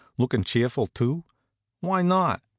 Lookin' cheerful, too? Why not?